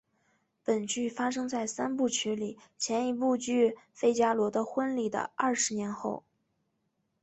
本剧发生在三部曲里前一部剧费加罗的婚礼的二十年后。